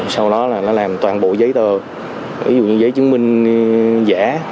sau đó là nó làm toàn bộ giấy tờ ví dụ những giấy chứng minh giả